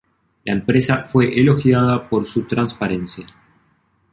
La empresa fue elogiada por su transparencia.